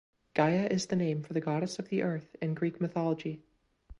Gaia is the name for the goddess of the Earth in Greek mythology.